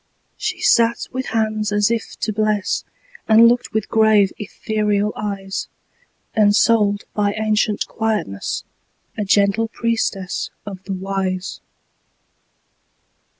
She sat with hands as if to bless, And looked with grave, ethereal eyes; Ensouled by ancient quietness, A gentle priestess of the Wise.